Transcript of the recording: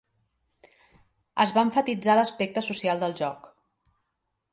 Es va emfatitzar l’aspecte social del joc.